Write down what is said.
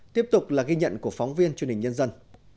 tiếp tục là ghi nhận của phóng viên truyền hình nhân dân